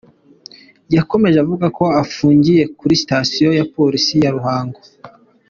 Yakomeje avuga ko afungiye kuri Sitasiyo ya Polisi ya Ruhango.